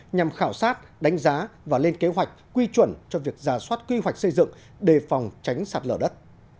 nhằm khảo sát đánh giá và lên kế hoạch quy chuẩn cho việc ra soát quy hoạch xây dựng đề phòng tránh sạt lở đất